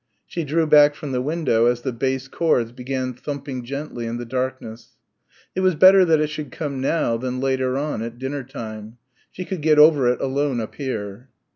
She drew back from the window as the bass chords began thumping gently in the darkness. It was better that it should come now than later on, at dinner time. She could get over it alone up here.